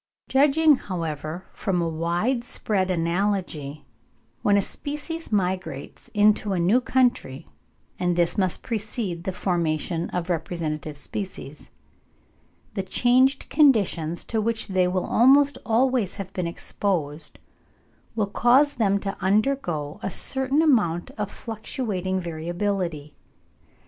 Judging, however, from a wide spread analogy, when a species migrates into a new country (and this must precede the formation of representative species), the changed conditions to which they will almost always have been exposed will cause them to undergo a certain amount of fluctuating variability.